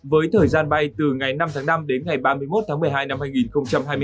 với thời gian bay từ ngày năm tháng năm đến ngày ba mươi một tháng một mươi hai năm hai nghìn hai mươi bốn